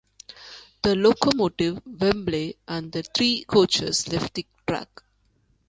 The locomotive, "Wembley" and the three coaches left the track.